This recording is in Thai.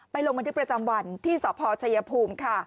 ลงบันทึกประจำวันที่สพชัยภูมิค่ะ